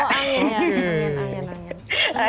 oh angin ya